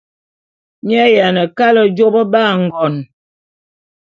Mi ayiane kale jôp ba ngon.